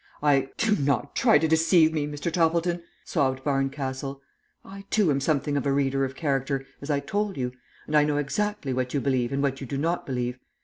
I " "Do not try to deceive me, Mr. Toppleton," sobbed Barncastle. "I, too, am something of a reader of character, as I told you, and I know exactly what you believe and what you do not believe.